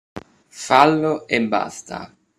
Fallo e basta!